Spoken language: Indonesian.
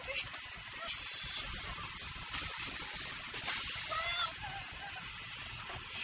mau jadi kayak gini sih salah buat apa